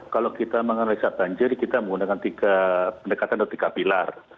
kalau kita menganalisa banjir kita menggunakan tiga pendekatan atau tiga pilar